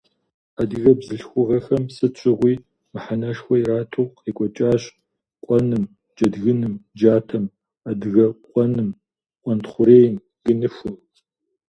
Адыгэ бзылъхугъэхэм сыт щыгъуи мыхьэнэшхуэ иратурэ къекӀуэкӀащ къуэным, джэдгыным, джатэм, адыгэкъуэным, къуэнтхъурейм, гыныхум.